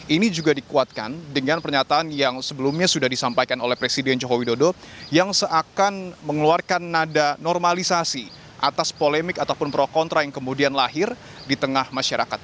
ini juga dikuatkan dengan pernyataan yang sebelumnya sudah disampaikan oleh presiden joko widodo yang seakan mengeluarkan nada normalisasi atas polemik ataupun pro kontra yang kemudian lahir di tengah masyarakat